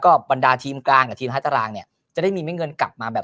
ก็วันดาวทีมกลางทีมท่าตารางนี้จะได้มีไม่เงินกลับมาแบบ